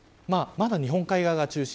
日本海側が中心